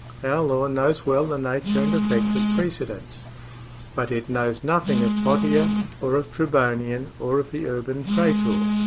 Our law knows well the nature and effect of precedents, but it knows nothing of Pothier, or of Tribonian, or of the Urban Prsetor.